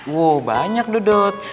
wow banyak dodot